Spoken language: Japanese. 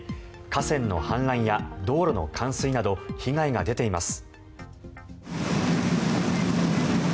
河川の氾濫や道路の冠水など被害が出ています。